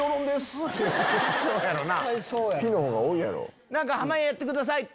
そうやろな。